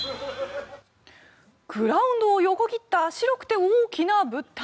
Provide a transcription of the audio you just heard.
グラウンドを横切った白くて大きな物体。